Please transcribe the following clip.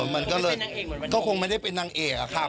มันก็เลยก็คงไม่ได้เป็นนางเอกเหมือนวันนี้ค่ะ